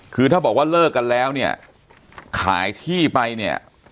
คือถ้าบอกว่าเลิกกันแล้วเนี่ยขายที่ไปเนี่ย